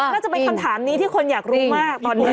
น่าจะเป็นคำถามนี้ที่คนอยากรู้มากตอนนี้